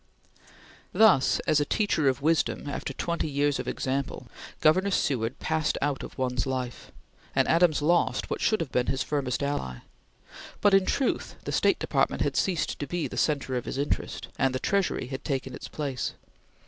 Thus, as a teacher of wisdom, after twenty years of example, Governor Seward passed out of one's life, and Adams lost what should have been his firmest ally; but in truth the State Department had ceased to be the centre of his interest, and the Treasury had taken its place.